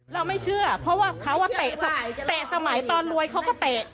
เราไม่เชื่อเพราะว่าเขาเตะสมัยตอนรวยเขาก็เตะ